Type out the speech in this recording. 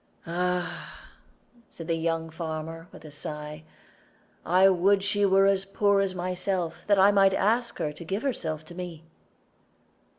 "Ah!" said the young farmer, with a sigh, "I would she were as poor as myself, that I might ask her to give herself to me."